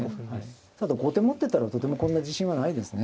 ただ後手持ってたらとてもこんな自信はないですね。